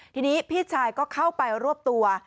ทีนี้พี่ชายก็เข้าไปรวบตัว